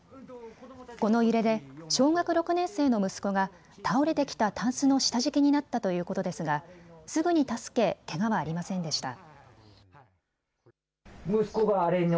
この揺れで小学６年生の息子が倒れてきたタンスの下敷きになったということですがすぐに助けけがはありませんでした。